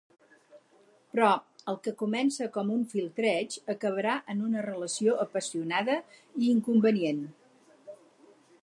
Però, el que comença com un flirteig acabarà en una relació apassionada i inconvenient.